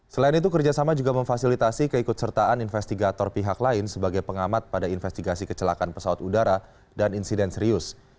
selain itu kerjasama juga memfasilitasi keikut sertaan investigator pihak lain sebagai pengamat pada investigasi kecelakaan pesawat udara dan insiden serius